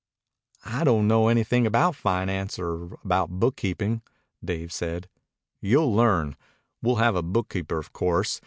"I don't know anything about finance or about bookkeeping," Dave said. "You'll learn. We'll have a bookkeeper, of course.